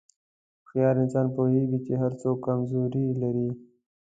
هوښیار انسان پوهېږي چې هر څوک کمزوري لري.